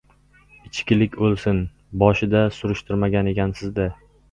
— Ichkilik o‘lsin! Boshida surishtirmagan ekansiz-da!